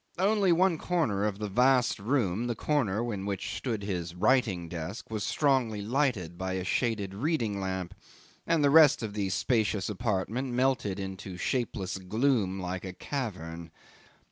Only one corner of the vast room, the corner in which stood his writing desk, was strongly lighted by a shaded reading lamp, and the rest of the spacious apartment melted into shapeless gloom like a cavern.